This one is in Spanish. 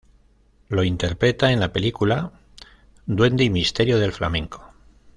Lo interpreta en la película "Duende y misterio del flamenco".